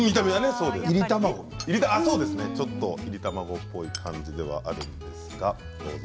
そうですねちょっといり卵っぽい感じではあるんですがどうぞ。